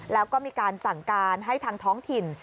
แล้วก็มีการสั่งการให้ทางท้องถิ่น